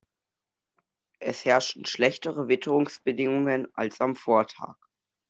Es herrschten schlechtere Witterungsbedingungen als am Vortag.